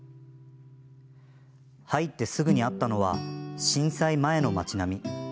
入って、すぐにあったのは震災前の町並み。